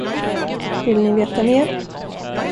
Vill ni veta mer?